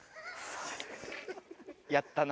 やったな。